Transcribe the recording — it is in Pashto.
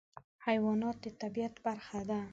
حیوانات د طبیعت برخه ده.